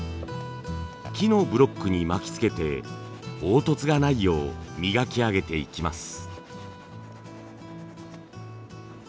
木のブロックに巻きつけて凹凸がないよう磨き上げていきます。